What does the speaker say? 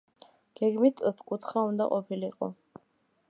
გეგმით ოთხკუთხა უნდა ყოფილიყო.